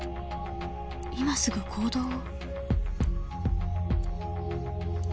今すぐ行動を？